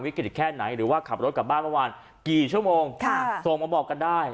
แค่ไหนหรือว่าขับรถกลับบ้านเมื่อวานกี่ชั่วโมงส่งมาบอกกันได้